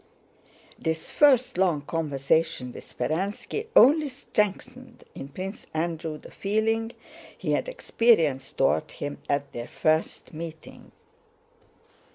This first long conversation with Speránski only strengthened in Prince Andrew the feeling he had experienced toward him at their first meeting.